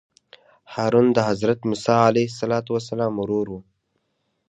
هارون د حضرت موسی علیه السلام ورور وو.